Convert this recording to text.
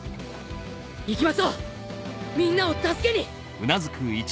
行きましょうみんなを助けに！